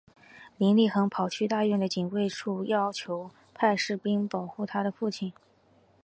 林立衡跑去大院的警卫处要求派士兵保护她的父亲。